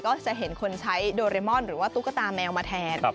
ก็จะเห็นคนใช้โดเรมอนหรือว่าตุ๊กตาแมวมาแทน